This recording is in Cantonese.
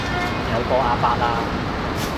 有個阿伯啦